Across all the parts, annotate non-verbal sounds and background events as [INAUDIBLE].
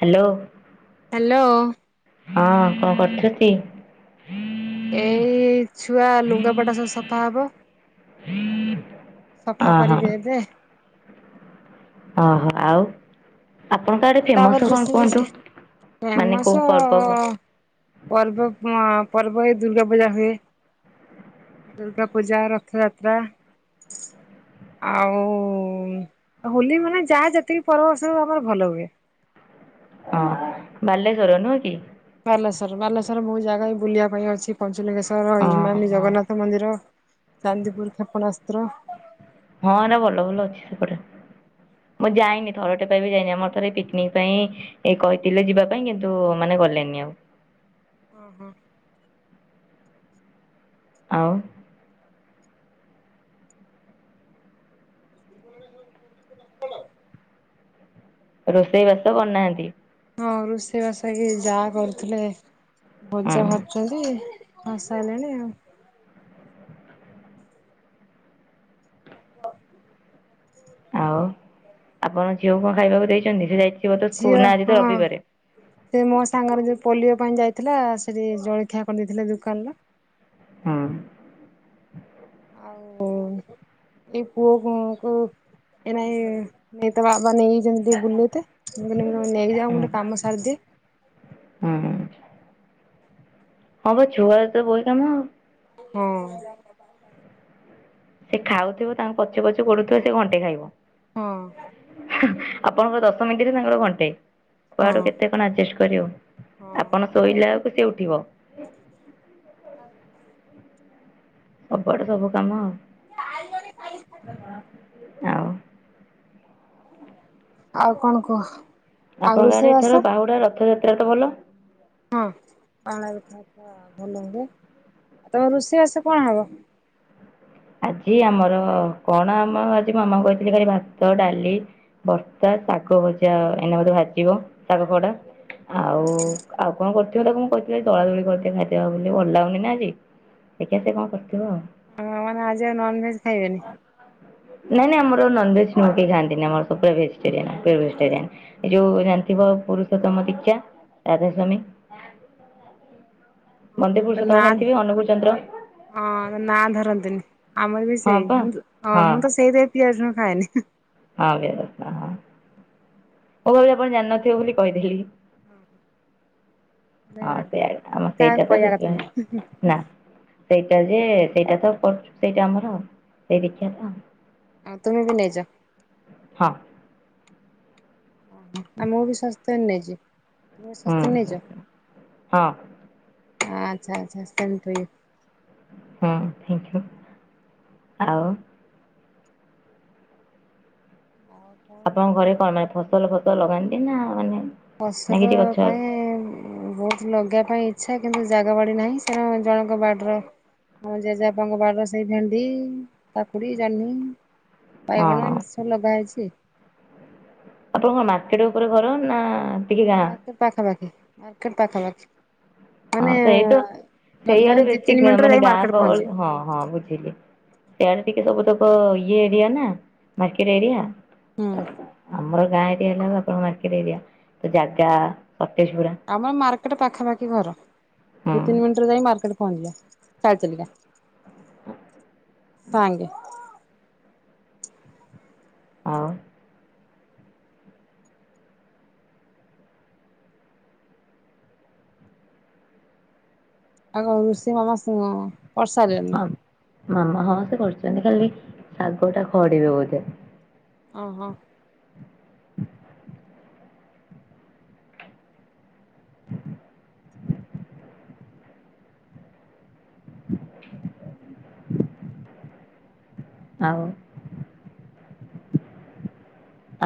Hello. Hello. ହଁ କଣ କରୁଛନ୍ତି? ଏଇ ଛୁଆ ଲୁଙ୍ଗାପଟା ସବୁ ସଫା ହବ। ସଫା ଓହୋ କରିବି ଏବେ। ଓହୋ ଆଉ। ଆପଣଙ୍କ ଆଡେ ଆଉ ତାପରେ ଫେମସ କଣ ଡ୍ରେସିଂ କୁହନ୍ତୁ? ମେସିନ୍ ମାନେ ଫେମସ କୋଉ ପର୍ବ ପର୍ବ ହଁ ପର୍ବ ଏଇ ଦୁର୍ଗା ପୂଜା ହୁଏ। ଦୁର୍ଗା ପୂଜା ରଥଯାତ୍ରା ଆଉ ହୋଲି ମାନେ ଯାହା ଯେତିକି ପର୍ବ ସବୁ ଆମର ଭଲ ହୁଏ। [INAUDIBLE] ଓହୋ ବାଲେଶ୍ଵର ନୁହଁ କି? ବାଲେଶ୍ୱର ବାଲେଶ୍ୱର ମୁଁ ଜାଗା ବି ବୁଲିବା ପାଇଁ ଅଛି। ପହଞ୍ଚିଲି ଓହୋ ହଁ ହିମାମି ହଁ ଜଗନ୍ନାଥ ମନ୍ଦିର ଚାନ୍ଦିପୁର କ୍ଷେପଣାସ୍ତ୍ର। ହଁ ଏନେ ଭଲ ଭଲ ଅଛି ସେପଟେ। ମୁଁ ଯାଇନି ଥରଟେ ପାଇଁ ବି ଯାଇନି। ଆମର ଥରେ ପିକ୍ନିକ୍ ପାଇଁ ଏଇ କହିଥିଲେ ଯିବା ପାଇଁ କିନ୍ତୁ ମାନେ ଗଲେନି ଆଉ। ଓହୋ। ଆଉ [UNINTELLIGIBLE] ରୋଷେଇ ବାସ କରୁନାହାଁନ୍ତି? ହଁ ରୋଷେଇ ବାସ କି ଯାଆ କରୁଥିଲେ ଭଜା ହୁଁ ଭାରୁୁଛନ୍ତି। ହଁ ସାଇଲାଣି ଆଉ। [INAUDIBLE] ଆଉ ଆପଣ ଝିଅକୁ କଣ ଖାଇବାକୁ ଦେଇଛନ୍ତି। ସେ ଯାଇଥିବ ତ ଝିଅ ସ୍କୁଲ ନା ଆଜି ତ ହଁ ରବିବାରେ। ସେ ମୋ ସାଙ୍ଗରେ ଯୋଉ ପୋଲିଓ ପାଇଁ ଯାଇଥିଲା। ସେଠି ଜଳଖିଆ କରିଦେଇଥିଲା ଦୋକାନରୁ। ହୁଁ। ଆଉ ଏଇ ପୁଅକୁ କୁ ଏନାଇ ତା ବାବା ନେଇଯାଇଛନ୍ତି ଟିକେ ବୁଲେଇ ତେ। ମୁଁ କହିଲି ତମେ ନେଇଯାଅ ମୁଁ ଟିକେ କାମ ସାରିଦିଏ। ହୁଁ। ହଁ ବା ଛୁଆର ତ ବୋଇ କାମ ଆଉ। ହୁଁ। ସେ ଖାଉଥିବ ତାଙ୍କୁ ପଛେ ପଛେ ଗୁଡ଼ଉଥିବ ସେ ଘଣ୍ଟେଇ ଖାଇବ। ହୁଁ। ଆପଣଙ୍କର ଦଶ ମିନିଟ ତାଙ୍କର ଘଣ୍ଟେ। ହଁ କୁଆଡୁ କେତେ ଆପଣ ଆଜେଷ୍ଟ କରିବ ହଁ ଆପଣ ଶୋଇଲା ବେଳକୁ ସିଏ ଉଠିବ। [INAUDIBLE] ସବୁଆଡେ ସବୁ କାମ ଆଉ ଆଉ। ଆଉ କଣ କୁହ? ଆଉ ଆପଣଙ୍କ ଆଡେ ରୋଷେଇବାସ ଏଥର ବାହୁଡ଼ା ରଥଯାତ୍ରା ତ ଭଲ! ହଁ ବାହୁଡା଼ ଯାତ୍ରା ଭଲ ହୁଏ ଆଉ ତମ ରୋଷେଇବାସ କଣ ହବ? ଆଜି ଆମର କଣ ଆମ ଆଜି ମାମା କହିଥିଲେ ଖାଲି ଭାତ ଡାଲି। ଭର୍ତ୍ତା ଶାଗ ଭଜା ଏଇନା ବୋଧେ ଭାଜିବ ଶାଗ ଖରଡ଼ା। ଆଉ ଆଉ କଣ କରିଥିବ ତାକୁ ମୁଁ କହିଥିଲି ଦଳା ଦଳି କରିଦେ ଖାଇଦବା ବୋଲି ଭଲ ଲାଗୁନି ନା ଆଜି। ଦେଖିଆ ସେକଣ କରିଥିବ ଆଉ? ହଁ ମାନେ ଆଜି ଆଉ ନନ୍ ଭେଜ ଖାଇବେନି? ନାଇଁ ନାଇଁଆମର ନନ ଭେଜ ନୁହଁ କେହି ଖାଆନ୍ତିନି ଆମରସବୁ ଭେଯେତଟେ ରିଆନ ପୁରା ଭେଜିଟେରିଆନ। ଏ ଯୋଉ ଜାଣିଥିବ ପୁରୁଷୋତ୍ତମ ଦୀକ୍ଷା ରାଧା ସ୍ୱାମୀ ! ବନ୍ଦେପୁଋଷାତ୍ତୋମ ନା ଜେମିତିବି ଅନୁକୁଳ ଚନ୍ଦ୍ର। ହଁ ନା ଧରନ୍ତିନି ଆମର ବି ହଁ ସେଇ ପା ହ ହଁ ମୁଁ ତ ସେଇ। ପିଆଜ ରସୁଣ ଖାଏନି। ଆମିଷ ଖାଉନ ମୁଁ ଭାବିଲି ଆପଣ ଜାଣିନଥିବ ବୋଲି କହିଦେଲି। ନା ମାନେ ଆମ କାହାକୁ ସେଇଟା ତ କହିବା କଥା ଶିଖିନୁ। ନୁହେଁ [UNINTELLIGIBLE] ନା ସେଇଟା ଯେ ସେଇଟା ତ କରୁଚୁସେଇଟା ଆମର ସେଇ ଦୀକ୍ଷା ତ। ଆପଣ ବି ନେଇଜ। ହାଁ। ଆମେ ବିି ସ୍ୱାସ୍ଥ୍ୟ ନେଇଚ ତମେ ବି ହୁଁ ସ୍ୱାସ୍ଥ୍ୟ ନେଇଚ। ହଁ ହଁ ଆଚ୍ଛା ଆଚ୍ଛା ସେମ ଟୁ ୟୁ। ହୁଁଥ୍ୟାଙ୍କୟୁ ଆଉ। ଆଉ। [UNINTELLIGIBLE] ଆପଣଙ୍କ ଘରେ ଭଲ କଣ ମାନେ ଫସଲ ଫସଲ ଲଗାନ୍ତି ନା ମାନେ? ନା ଫସଲ କିଛି ଗଛ ପାଇଁ ବହୁତ ଲଗେଇବା ପାଇଁ ଇଚ୍ଛା କିନ୍ତୁ ଜାଗା ବାଡି ନାହିଁ ସେରା ଜଣଙ୍କ ବାଡିର। ଜେଜେବାପାଙ୍କ ବାଡର ସେଇ ଭେଣ୍ଡି କାକୁଡି ଜହ୍ନି। ହଁ ବାଇଗଣ ଏମିତି ସବୁ ଲଗା ହେଇଛି। ଆପଣଙ୍କ ମାର୍କେଟ ଉପରେ ଘର ନା? ଟିକେ ହଁ ଗାଁ ମାର୍କେଟ ପାଖାପାଖି ମାର୍କେଟ ପାଖା ପାଖି। ହଁ ସେଇ ତ ସେଇଆଡେ ବେଶୀ ତିନି ମିନିଟରେ ମାନେ ଯାଇ ଗାଁ ମାର୍କେଟ ଗହଳି ପହଞ୍ଚିବେ। ହଁ ହଁ ବୁଝ ଇଆଡେ ଟିକେ ସବୁ ତକ ଇଏ ଏରିଆ ନା ମାର୍କେଟ ଏରିଆ। ହୁଁ ଆମର ଗାଁ ଏରିଆ ହେଲା ମାର୍କେଟ ଏରିଆ ଜାଗା ସଟେଜ ପୁରା। ଆମର ମାର୍କେଟ ପାଖାପାଖି ଘର ଦି ହୁଁ ତିନି ମିନିଟରେ ଯାଇ ମାର୍କେଟ ପହଞ୍ଚିବ। ଚାଲି ଚାଲିକା ହ୍ୟାଙ୍ଗ। [UNINTELLIGIBLE] ଆଉ। ଆଉ ରୋଷେଇ ମାମା ହଁ କରିସାରିଲେଣି। ମାମା ହଁ ସେ କରୁଛନ୍ତି ଖାଲି ଶାଗ ଟା ଖଡିବେ ବୋଧେ। ଓହୋ। [UNINTELLIGIBLE] [INAUDIBLE] ଆଉ।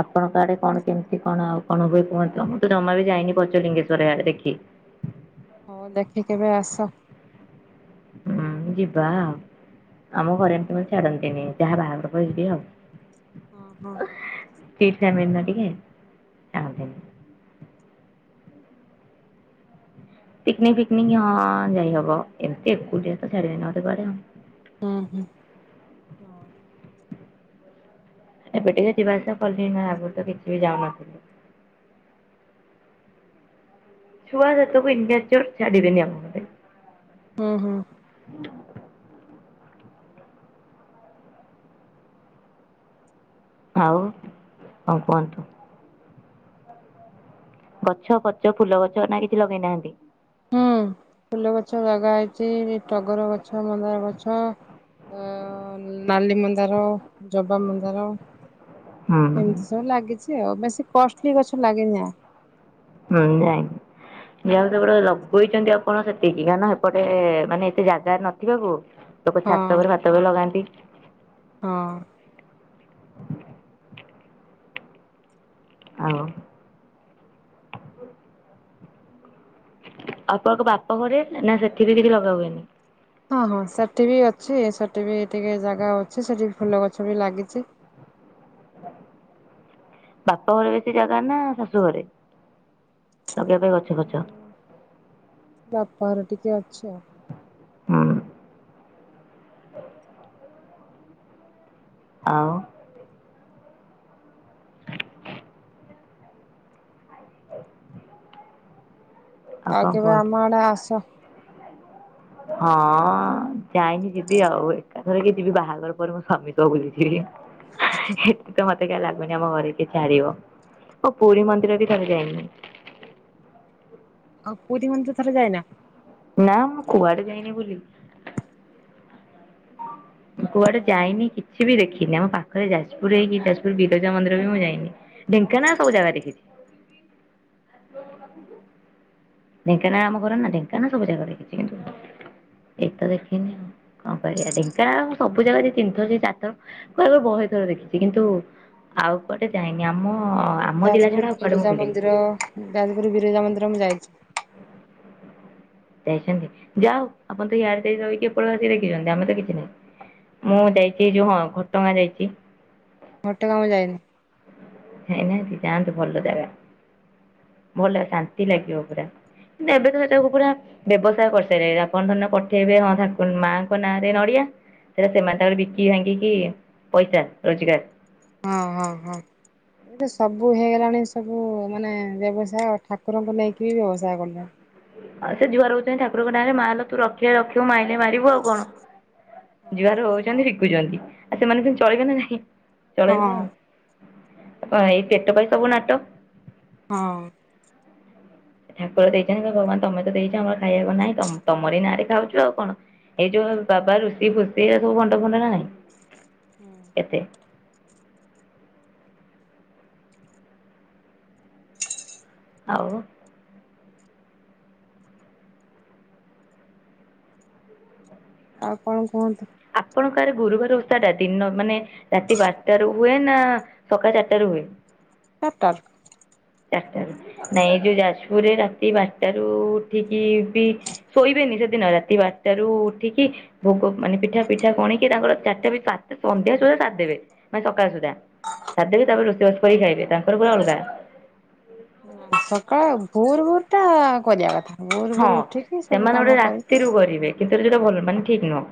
ଆପଣଙ୍କ ଆଡେ କଣ କେମିତି କଣ ଆଉ କଣ ହୁଏ କୁହ ମୁଁ ତ ଜମା ବି ଯାଇନି ପଞ୍ଚଲିଙ୍ଗେଶ୍ଵର ଆଡେ ଦେଖି। ହଉ ଦେଖି କେବେ ଆସ! ହୁଁ ଯିବାଆଉ। ଆମ ଘରେ ଏମିତି ମାନେ ଛାଡନ୍ତିନି ଯାହା ବାହାଘର ପରେ ଯିବି ଆଉ। ହଁ। [UNINTELLIGIBLE] ପିକ୍ନିକ୍ ଫିକନିକ୍ ହଁ ଯାଇହବ ଏମିତି ଏକୁଟିଆ ତ ଛାଡ଼ିବେନି କୁଆଡେ। ହୁଁ ହୁଁ ହୁଁ ଏବେ ଟିକେ ଯିବା ଆସିବା କଲି ନା ଆଗରୁ ତ କିଛି ବି ଯାଉନଥିଲି। ଛୁଆ ସେତବୁ ଚୋର ଛାଡ଼ିବେନି ଆଉ। ଓହୋ। ଆଉ ଆଉ କୁହନ୍ତୁ। ଗଛ ପଛ ଫୁଲ ଗଛ ନା କିଛି ଲଗେଇନାହାନ୍ତି? ହୁଁ ଫୁଲ ଗଛ ଲଗା ହେଇଛି ଟଗର ଗଛ ମନ୍ଦାର ଗଛ ଅ ନାଲି ମନ୍ଦାର ଜବା ମନ୍ଦାର ହୁଁ ଏମିତି ସବୁ ଲାଗିଛି ଆଉ ବେଶୀ କଷ୍ଟଲି ଗଛ ଲାଗେନା। [UNINTELLIGIBLE] ଯାହା ହଉ ସେପଟେ ଲଗେଇଛନ୍ତି ଆପଣ ସେତିକି କାହିଁନା ଏପଟେ ମାନେ ଏତେ ଜାଗା ନଥିବାକୁ। ଲୋକ ହଁ ଛାତ ଉପରେ ଭାତ ବି ଲଗାନ୍ତି। ହଁ। ଆଉ। ଆପଙ୍କ ବାପ ଘରେ ନା ସେଠି ବି କିଛି ଲଗା ହୁଏନି। ହଁ ହଁ ସେଠି ବି ଅଛି ସେଠି ବି ଟିକେ ଜାଗା ଅଛି ସେଠି ଫୁଲ ଗଛ ବି ଲାଗିଚି। ବାପ ଘରେ ବେଶୀ ଜାଗା ନା ଶାଶୁ ଘରେ ଲଗେଇବା ପାଇଁ ଗଛ ଫଛ। ବାପା ଘରେ ଟିକେ ଅଛି ଆଉ। ହଁ। [UNINTELLIGIBLE] ଆଉ [UNINTELLIGIBLE] ଆଉ କଣ କେବେ କୁହନ୍ତୁ? ଆମ ଆଡେ ଆସ। ହଁ ଯାଇନି ଯିବି ଆଉ ଏକାଥରେ କି ଯିବି ବାହାଘର ପରେ ମୁଁ ସ୍ୱାମୀ ସହ ବୁଲି ଯିବି। [UNINTELLIGIBLE] [UNINTELLIGIBLE] ଏତ ତ ମତେ କାଇ ଲାଗୁନି ଆମ ଘରେ କିଏ ଛାଡିବ ଓ ପୁରୀ ମନ୍ଦିର ବି କେବେ ଯାଇନି। ଆଉ ପୁରୀ ମନ୍ଦିର ଥରେ ଯାଇନା। ନା ମୁଁ କୁଆଡେ ଯାଇନି ବୁଲି। କୁଆଡେ ଯାଇନି କିଛି ବି ଦେଖିନି ଆମ ପାଖରେ ଯାଜପୁର ହେଇକି ଯାଜପୁର ବିରଜା ମନ୍ଦିର ବି ମୁଁ ଯାଇନି। ଢେଙ୍କାନା ସବୁ ଜାଗା ଦେଖିଚି। ଢେଙ୍କାନା ଆମ ଘର ନା ଢେଙ୍କାନା ସବୁ ଜାଗା ଦେଖିଛି କିନ୍ତୁ ଏଇତ ତ ଦେଖିନି। କଣ କରିବା ଢେଙ୍କାନଳ ସବୁ ଜାଗା ଦି ତିନିଥର ଯାଇ ଚାର ଥର କୁ ଆକୁ ବହିଥର ଦେଖିଛି କିନ୍ତୁ ଆଉ କୁଆଡେ ଯାଇନି ଆମ ଆମ ଜିଲ୍ଲା ଯାଜପୁର ଛଡା ଆଉ କୁଆଡେ ମୁଁ ବିରଜା ବୁଲିିଲି। ମନ୍ଦିର ଯାଜପୁର ବିରଜା ମନ୍ଦିର ମୁଁ ଯାଇଚି। [UNINTELLIGIBLE] ଯାଅଉ ଆପଣ ତ ୟାର ରଇକି କେପଳ ଆସିକି ଦେଖିଛନ୍ତି ଆମେ ତ କିଛି ନାଇ। ମୁଁ ଯାଇଚି ଯୋଉ ହଁ ଘଟଗା ଯାଇଚି। ଘଟଗାଁ ମୁଁ ଯାଇନି। ଯାଇ ନାହାନ୍ତି ଯାନ୍ତୁ ଭଲ ଜାଗା। ଭଲ ଶାନ୍ତି ଲାଗିବ ପୁରା କିନ୍ତୁ ଏବେ ତ ସେସବୁ ପୁରା ବ୍ୟବସାୟ କରିସାରିଲେ ଆପଣ ଧରି ନିଅ ପଠେଇବେ ହଁ ମାଙ୍କ ନାଁରେ ନଡିଆ ସେଇଟା ସେମାନେ ତାଙ୍କରେ ବିକି ଭାଙ୍ଗିକି ପଇସା ରୋଜଗାର। ହଁ ହଁ ହଁ। ଏ ତ ସବୁ ହେଇଗଲାଣି ସବୁ ମାନେ ବ୍ୟବସାୟ ଆଉ ଠାକୁରଙ୍କୁ ନେଇକି ବି ବ୍ୟବସାୟ କଲେଣି। ଆଉ ସେ ଝୁଆର ହଉଛନ୍ତି ଠାକୁରଙ୍କ ନାଁରେ ମା ଲୋ ତୁ ରକଖିଲେ ରଖ ତୁ ମାଇଲେ ମାରିବୁ ଆଉ କଣ ଜୁଆର ହଉଛନ୍ତି ସେ ଆଉ ସେମାନେ ପୁଣି ଚଳିଇବେ ନା ନାଇଁ ହଁ ଚଳେଇବେ ହଁ ଆଉ। ଆଇ ଏଇ ପେଟ ପାଇଁ ସବୁ ନାଟ। ହଁ। ଠାକୁର ଦେଇଛନ୍ତି ଭଗବାନ ତମେ ତ ଦେଇଛ ଆମର ଖାଇବାକୁ ନାଇଁ ତମ ତମରି ନାଁରେ ଖାଉଛୁ ଆଉ କଣ। ଏଇ ଯୋଉ ବାବା ଋଷି ଫୁସି ଏ ସବୁ ଭଣ୍ଡ ଫଣ୍ଡ ନା ନାଇଁ। ହୁଁ। ଏତେ। ଆଉ। ଆଉ କଣ କୁହନ୍ତୁ। ଆପଣଙ୍କ ଆଡେ ଗୁରୁବାର ଓଷା ଟା ଦିନ ମାନେ ରାତି ବାରଟାରୁ ହୁଏ ନା ସକାଳ ଚାରିଟାରୁ ହୁଏ। ଅତକ ଚାର ଟାରୁ। ନାଇଁ ଏ ଯୋଉ ଯାଜପୁରରେ ରାତି ବାରଟା ରୁ ଉଠିକି ବି ଶୋଇବେନି ସେଦିନ ରାତି ବାରଟାରୁ ଉଠିକି ଭୋଗ ମାନେ ପିଠା ପିଠା ଖଣିକି ତାଙ୍କର ଚାରିଟା ସ ସନ୍ଧ୍ୟା ସୁଦ୍ଧା ସାରି ଦେବେ ମାନେ ସକାଳ ସୁଦ୍ଧା ସାରିଦେଇକି ତାପରେ ରୋଷେଇବାସ କରିକି ଖାଇବେ ତାଙ୍କର ପୁରା ଅଲଗା ସକାଳେ ଭୋର ଭୋର ଟା କରିବା କଥା ଭୋର ହଁ ଭୋର ଉଠିକି ସବୁ ସେମାନେ ଗୋଟେ କାମ କରିକି ରାତିରୁ କରିବେ କିନ୍ତୁ ସେଇଟା ଭଲାନ ମାନେ ଠିକ ନୁହଁ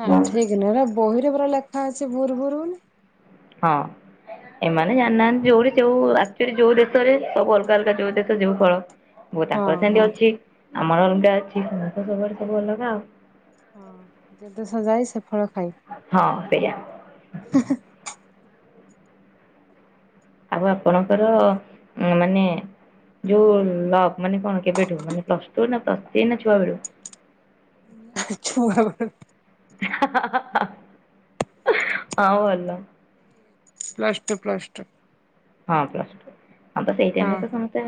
ନା ଠିକ ନୁହେଁ ବହିରେ ପୁରା ଲେଖା ଅଛି ଭୋର୍ ଭୋରୁ ବୋଲି ହଁ ଏମାନେ ଜାଣିନାହାନ୍ତି ଯୋଉଠି ଯୋଉ ଆଚୁଆଲି ଯୋଉ ଦେଶରେ ସବୁ ଅଲଗା ଅଲଗା ଯୋଉ ଦେଶ ଯୋଉ ଫଳ ମୁ ହଁ ତାଙ୍କର ସେତି ହଁ ଅଛି ଆମର ଅଲଗା ଅଛି ସମସ୍ତ ସବୁଆଡ ସବୁ ଅଲଗା ଆଉ ହଁ ଯେ ଦେଶ ଯାଏ ସେ ଫଳ ଖାଏ ହଁ ସେଇଆ ଆଉ ଆପଣଙ୍କର ମାନେ ଯୋଉ ଲକ୍ ମାନେ କଣ କେବେଠୁ ମାନେ ପ୍ଲସ ଟୁ ନା ପ୍ଲସ ଥ୍ରୀ ନା ଛୁଆବେେଳୁ ଛୁଆବେଳୁ ଆଉ ଭଲ ପ୍ଲସ୍ ଟୁ ପ୍ଲସ୍ ଟୁ ହଁ ପ୍ଲସ ଟୁ ହଁ ତ ସେଇ ଟାଇମରେ ତ ସମସ୍ତେ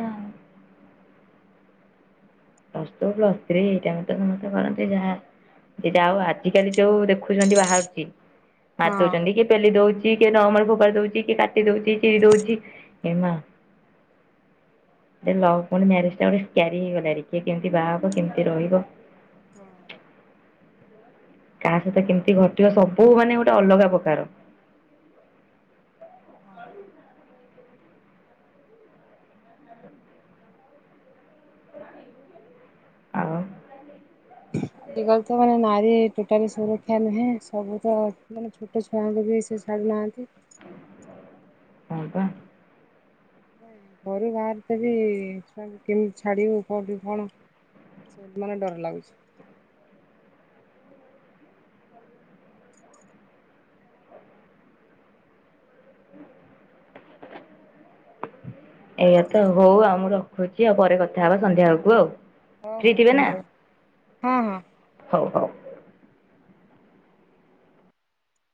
ପ୍ଲ ଟୁ ପ୍ଲସ ଥ୍ରୀ ଏଇଟାଇମ ତ ସମସ୍ତେ କରନ୍ତି ଯାହା ଆଉ ଆଜିକାଲି ଯୋଉ ଦେଖୁ ଦେଖୁଛନ୍ତି ବାହାରୁଛି ହଁ। ମାାରିଦଉଛନ୍ତି କିଏ ପେଲି ଦଉଛି କି ନମ ଫୋପାଡି ଦଉଛି କି କାଟି ଦଉଛି ଚିରି ଦଉଛି ଏ ମା ଲଭ ପୁଣି ମ୍ୟାରେଜ ଟା ଗୋଟେ କ୍ୟାରି ହେଇଗଲାଣି କିଏ କେମିତି ବାହାହବ କେମିତି ରହିବ ହୁଁ କାହା ସହିତ କେମିତି ଘଟିବ ସବୁ ମାନେ ଗୋଟେ ଅଲଗା ପ୍ରକାର ହଁ ଆଉ ଆଜି କାଲି ତ ମାନେ ନାରୀ ଟୋଟାଲି ସୁରକ୍ଷା ନୁହେଁ ସବୁ ତ ମାନେ ଛୋଟ ଛୁଆଙ୍କୁ ବି ସେ ଛାଡ଼ୁନାହାଁନ୍ତି ହଁ ତ ନାଇ ଘରୁ ବାହାର ତେ ବି କେମିତି ଛାଡିବୁ କୋଉଠି କଣ ସେଇ ମାନେ ଡର ଲାଗୁଛି ଏଇଆ ତ ହଉ ଆଉ ମୁଁ ରଖୁଛି ଆଉ ପରେ କଥା ହବା ସନ୍ଧ୍ୟା ବେଳକୁ ଆଉ ହଁ ଫ୍ରି ହଁ ଥିବେ ନା ଧନ୍ୟବାଦ ହଁ ହଁ ହଉ ହଉ